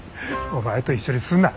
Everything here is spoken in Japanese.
お前と一緒にすんな。